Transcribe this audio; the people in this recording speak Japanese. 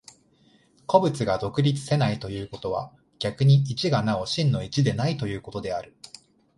個物が独立せないということは、逆に一がなお真の一でないということである。